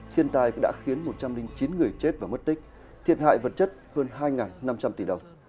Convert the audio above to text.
thiên tai đã khiến một trăm linh chín người chết và mất tích thiệt hại vật chất hơn hai năm trăm linh tỷ đồng